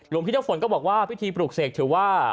พี่น้ำฝนก็บอกว่าพิธีปลูกเสกถือว่า